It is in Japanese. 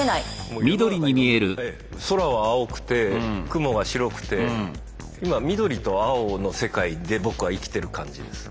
もう世の中今ええ空は青くて雲が白くて今緑と青の世界で僕は生きてる感じです。